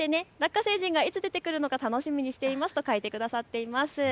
ラッカ星人がいつ出てくるのか楽しみにしていますとかいてくださっています。